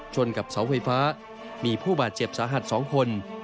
กับเสาไฟฟ้ามีผู้บาดเจ็บสาหัส๒คน